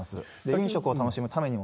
飲食を楽しむためにも。